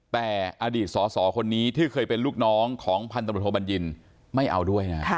แต่อดีตสอสอคนนี้ที่เคยเป็นลูกน้องของพันธบทโทบัญญินไม่เอาด้วยนะ